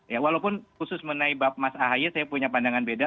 ya walaupun khusus menaibat mas ahaye saya punya pandangan beda